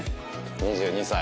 ２２歳。